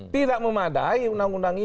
tidak memadai undang undang ini